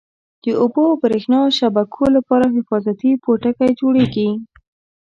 د اوبو او بریښنا شبکو لپاره حفاظتي پوټکی جوړیږي.